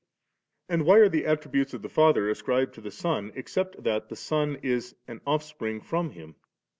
And why are the attributes of the Father ascribed to the Son, except that the Son is an Offspring from Him?